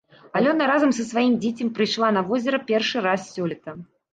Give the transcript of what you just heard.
Алёна разам са сваім дзіцем прыйшла на возера першы раз сёлета.